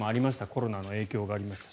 コロナの影響もありまして。